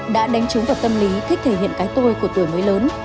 đã đánh trúng vào tâm lý thích thể hiện cái tôi của tuổi mới lớn